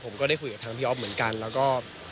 ผมก็ได้คุยกับทางพี่อ๊อฟเหมือนกันแล้วก็